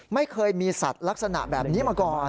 ไม่เคยมีสัตว์ลักษณะแบบนี้มาก่อน